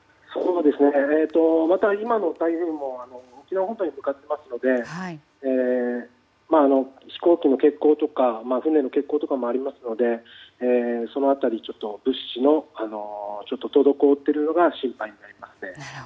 また今の台風も沖縄本島に向かっていますので飛行機の欠航とか船の欠航とかもありますのでその辺り、物資の滞っているのが心配です。